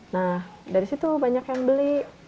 nah dari situ banyak yang beli